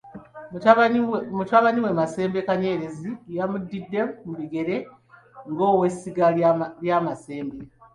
Mutabani we, Masembe Kanyerezi y'amudidde mu bigere ng'owessiga lya Masembe.